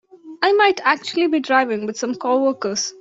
I might actually be driving with some coworkers.